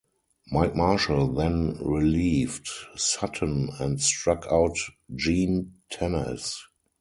Mike Marshall then relieved Sutton and struck out Gene Tenace.